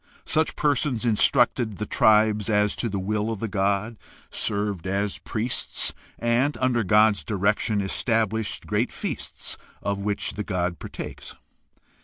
Such persons instructed the tribe as to the will of the god, served as priests, and, under the god's direction, established great feasts of which the god partakes.